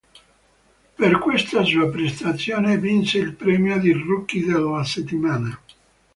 Per questa sua prestazione vinse il premio di rookie della settimana.